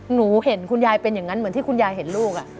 หนูเห็นคุณยายเป็นอย่างนั้นเหมือนที่คุณยายเห็นลูก